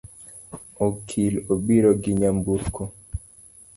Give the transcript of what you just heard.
Okil obiro gi nyamburko